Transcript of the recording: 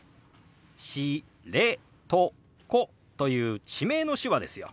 「しれとこ」という地名の手話ですよ。